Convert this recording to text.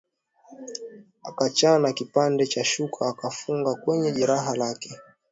Akachana kipande cha shuka akafunga kwenye jeraha lake